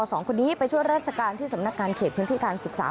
สองคนนี้ไปช่วยราชการที่สำนักงานเขตพื้นที่การศึกษา